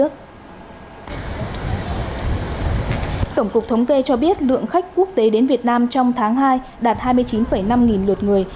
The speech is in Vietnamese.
tổng cục thống kê cho biết lượng khách quốc tế đến việt nam trong tháng hai đạt hai mươi chín năm nghìn lượt người